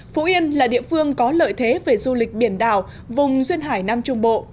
phú yên là địa phương có lợi thế về du lịch biển đảo vùng duyên hải nam trung bộ